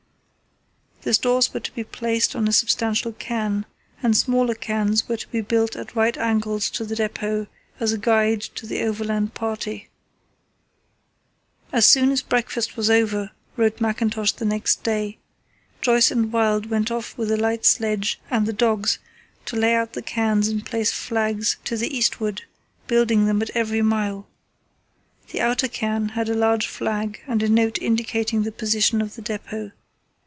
The stores were to be placed on a substantial cairn, and smaller cairns were to be built at right angles to the depot as a guide to the overland party. "As soon as breakfast was over," wrote Mackintosh the next day, "Joyce and Wild went off with a light sledge and the dogs to lay out the cairns and place flags to the eastward, building them at every mile. The outer cairn had a large flag and a note indicating the position of the depot.